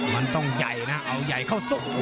มันต้องใหญ่นะเอาใหญ่เข้าซุก